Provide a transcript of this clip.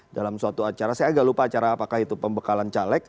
dalam suatu acara saya agak lupa acara apakah itu pembekalan caleg